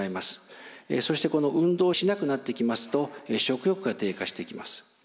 そして運動をしなくなってきますと食欲が低下していきます。